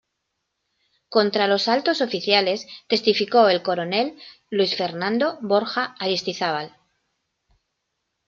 Contra los altos oficiales testificó el coronel Luis Fernando Borja Aristizábal.